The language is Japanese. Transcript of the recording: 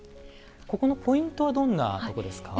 ここのポイントはどんなとこですか？